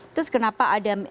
terus kenapa ada emos